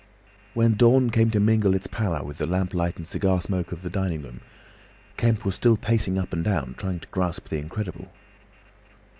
When dawn came to mingle its pallor with the lamp light and cigar smoke of the dining room, Kemp was still pacing up and down, trying to grasp the incredible.